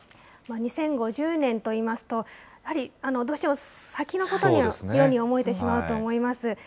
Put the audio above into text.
２０５０年といいますと、やはりどうしても先のことのように思えてしまうと思います。